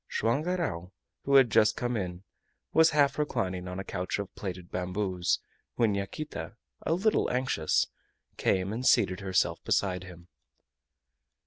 Joam Garral, who had just come in, was half reclining on a couch of plaited bamboos, when Yaquita, a little anxious, came and seated herself beside him.